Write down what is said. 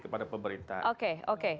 kepada pemerintah oke oke